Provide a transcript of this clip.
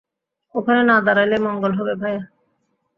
ওখানে না দাঁড়ালেই মঙ্গল হবে, ভায়া।